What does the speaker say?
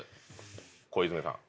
小泉さん。